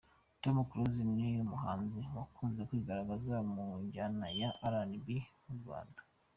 Tom Close ni umuhanzi wakunze kwigaragaza mu njyana ya RnB mu Rwanda.